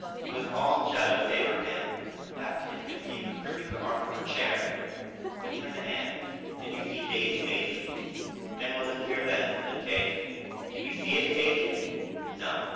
She was all in shadow save her hand; that Katie could see was gripping the arm of her chair. He turned to Ann. "Did you see 'Daisey Maisey'?" "Ann wasn't here then," said Kate. "Did you see it, Katie?" "No."